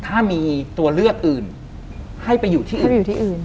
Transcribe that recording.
ถ้ามีตัวเลือกอื่นให้ไปอยู่ที่อื่นอยู่ที่อื่น